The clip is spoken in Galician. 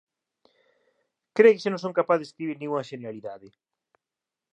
Cre que xa non son capaz de escribir ningunha xenialidade.